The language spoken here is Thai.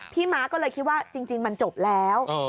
ม้าก็เลยคิดว่าจริงมันจบแล้ว